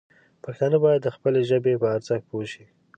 پښتانه باید د خپلې ژبې په ارزښت پوه شي.